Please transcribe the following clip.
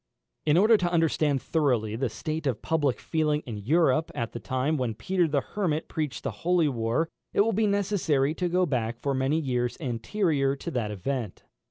In order to understand thoroughly the state of public feeling in Europe at the time when Peter the Hermit preached the holy war, it will be necessary to go back for many years anterior to that event.